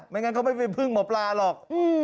งั้นเขาไม่ไปพึ่งหมอปลาหรอก